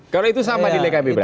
kalau itu sama di lkp bram